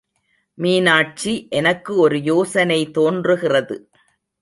மீனாட்சி எனக்கு ஒரு யோசனை தோன்றுகிறது.